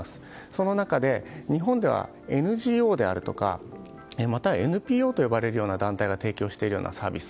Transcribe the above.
その中で、日本ではＮＧＯであるとかまたはＮＰＯと呼ばれるような団体が提供しているようなサービス